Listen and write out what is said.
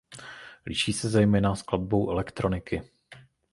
Liší se zejména skladbou elektroniky.